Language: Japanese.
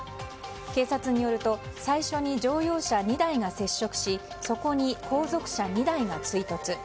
警察によると最初に乗用車２台が接触しそこに後続車２台が追突。